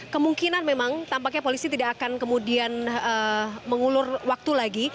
kemungkinan memang tampaknya polisi tidak akan kemudian mengulur waktu lagi